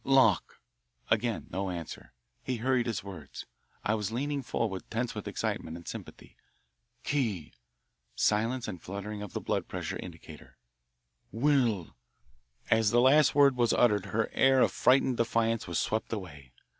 "Lock." Again no answer. He hurried his words. I was leaning forward, tense with excitement and sympathy. "Key." Silence and a fluttering of the blood pressure indicator. "Will." As the last word was uttered her air of frightened defiance was swept away.